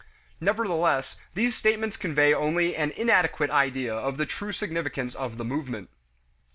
Nevertheless, these statements convey only an inadequate idea of the true significance of the movement.